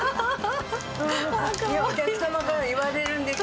よくお客様から言われるんです。